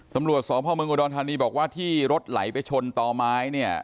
ตำรวจสพเมืองอุดรธานีบอกว่าที่รถไหลไปชนต่อไม้เนี่ย